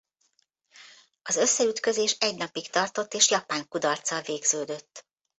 Az összeütközés egy napig tartott és japán kudarccal végződött.